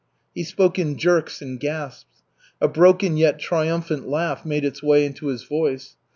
He spoke in jerks and gasps. A broken yet triumphant laugh made its way into his voice.